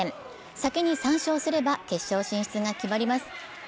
先に３勝すれば決勝進出が決まります。